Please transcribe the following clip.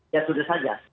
ya sudah saja